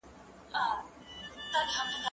ته ولي مکتب خلاصیږې!.